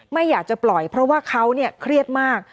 ไม่อยากจะปล่อยเพราะว่าเขาเครียดมาก